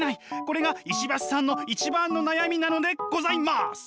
これが石橋さんの一番の悩みなのでございます！